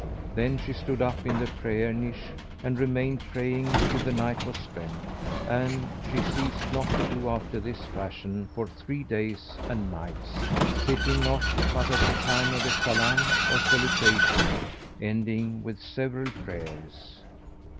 Then she stood up in the prayer niche and remained praying till the night was spent; and she ceased not to do after this fashion for three days and nights, sitting not but at the time of the Salám or salutation[FN#426] ending with several prayers.